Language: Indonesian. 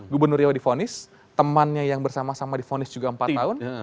gubernur riau difonis temannya yang bersama sama difonis juga empat tahun